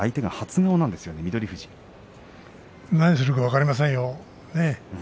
何をするか分かりませんよ。